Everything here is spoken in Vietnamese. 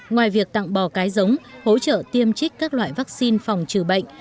ngoài việc tặng bò cái giống hỗ trợ tiêm chích các loại vắc xin phòng trừ bệnh